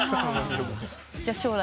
じゃあ将来。